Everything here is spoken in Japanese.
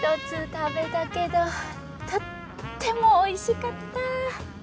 １つ食べたけどとってもおいしかった。